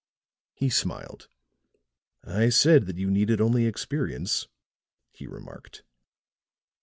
He smiled. "I said that you needed only experience," he remarked.